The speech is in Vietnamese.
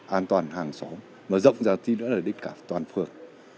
an toàn hàng xóm mà rộng ra thì đã là đích cảm toàn phương